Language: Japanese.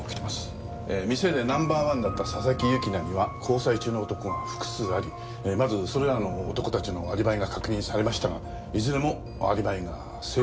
店でナンバーワンだった佐々木由紀奈には交際中の男が複数ありまずそれらの男たちのアリバイが確認されましたがいずれもアリバイが成立。